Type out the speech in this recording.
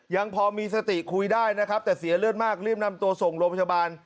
ยังพอมีสติคุยได้นะครับแต่เสียเลือดมากรีบนำตัวส่งโรงพยาบาล